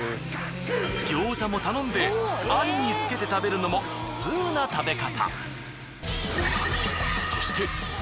餃子も頼んで餡につけて食べるのもツウな食べ方。